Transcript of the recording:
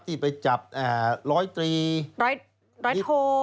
ที่ไปจับร้อยตรีร้อยโท